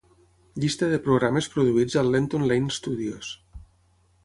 Llista de programes produïts al Lenton Lane Studios.